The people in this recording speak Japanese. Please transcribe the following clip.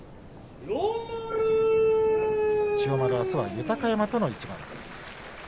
千代丸、あすは豊山との一番です。